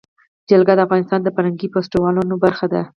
جلګه د افغانستان د فرهنګي فستیوالونو برخه ده.